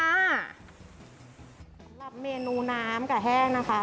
สำหรับเมนูน้ำกับแห้งนะคะ